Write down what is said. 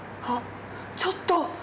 あっちょっと！